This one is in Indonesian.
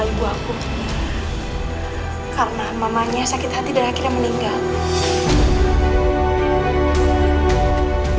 karena mamanya sakit hati dan akhirnya meninggal